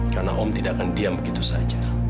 karena om tidak akan diam begitu saja